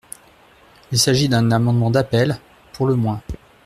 Il s’agit d’un amendement d’appel, pour le moins.